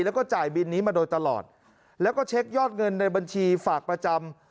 แล้วก็จ่ายบินนี้มาโดยตลอดแล้วก็เช็คยอดเงินในบัญชีฝากประจำ